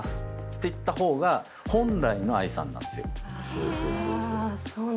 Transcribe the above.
そうそうそうそう。